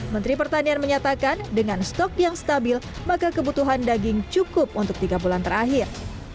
menteri pertanian menyatakan dengan stok yang stabil maka kebutuhan daging cukup untuk tiga bulan terakhir